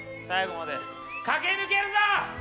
最後まで駆け抜けるぞ！